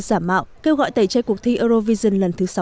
giả mạo kêu gọi tẩy chay cuộc thi eurovision